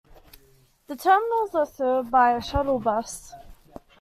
The terminals are served by a shuttle bus.